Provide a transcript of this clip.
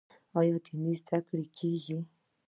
آیا دیني زده کړې کیږي؟